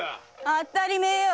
あたりめえよ！